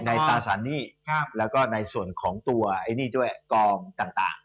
ถูกต้องในศาลนี้และในส่วนของตัวกองต่าง